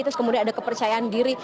terus kemudian ada kepercayaan diri